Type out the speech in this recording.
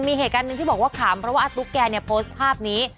มีเหตุการณ์หนึ่งที่บอกว่าขำเพราะว่าอาตุ๊กแกเนี่ยโพสต์ภาพนี้